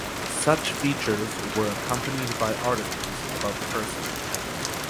Such features were accompanied by articles about the person.